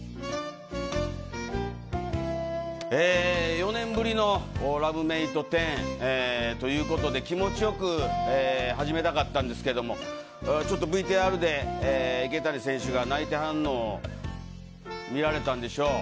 ４年ぶりのラブメイト１０ということで気持ちよく始めたかったんですけどもちょっとＶＴＲで池谷選手が泣いてはんのを見られたんでしょう。